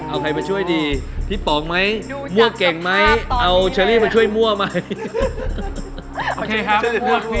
เอาใครมาช่วยดีพี่ป๋องไหมมั่วเก่งไหมเอาเชอรี่มาช่วยมั่วไหม